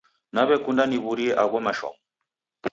Naw'ekunda niw'urie agho mashomo.